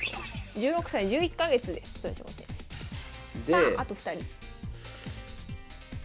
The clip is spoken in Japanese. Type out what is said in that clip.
さああと２人。